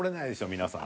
皆さん。